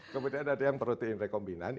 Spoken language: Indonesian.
kemudian ada yang protein rekombinan